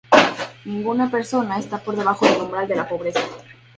Ninguna persona está por debajo del umbral de pobreza.